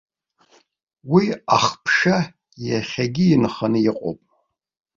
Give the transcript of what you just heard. Уи ахԥша иахьагьы инханы иҟоуп.